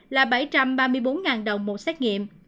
là bảy trăm ba mươi bốn đồng một xét nghiệm